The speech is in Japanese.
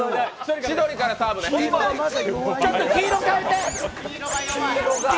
ちょっと黄色変えて！